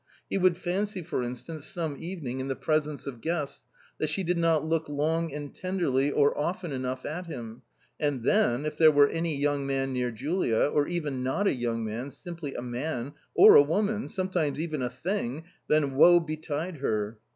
He would fancy, for in stance, some evening, in the presence of guests, that she did not look long and tenderly or often enough at him, and then, if there were any young man near Julia, or even not a young man, simply a man, or a woman, sometimes even a thing, then woe betide her